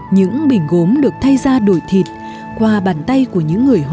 những bình gốm được thay ra đổi thịt qua bàn tay của những người hoa